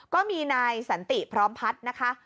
ก็มีนายสัญติพร้อมพัฒร์